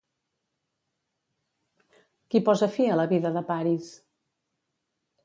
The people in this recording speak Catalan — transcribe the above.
Qui posa fi a la vida de Paris?